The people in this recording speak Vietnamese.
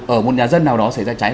ở một nhà dân nào đó xảy ra cháy